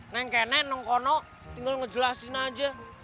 nengke nenengkono tinggal ngejelasin aja